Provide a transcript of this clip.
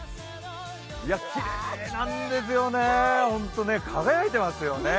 きれいなんですよね輝いてますよね。